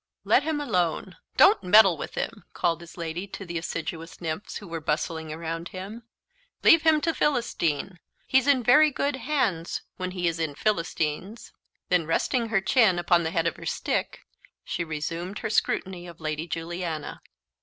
"Let him alone don't meddle with him," called his lady to the assiduous nymphs who were bustling around him; "leave him to Philistine; he's in very good hands when he is in Philistine's." Then resting her chin upon the head of her stick, she resumed her scrutiny of Lady Juliana.